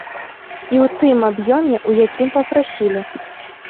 І ў тым аб'ёме, у якім папрасілі.